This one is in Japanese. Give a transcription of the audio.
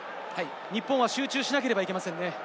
日本は集中しなければいけませんね。